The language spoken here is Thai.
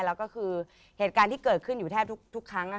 แล้วก็คือเหตุการณ์ที่เกิดขึ้นอยู่แทบทุกครั้ง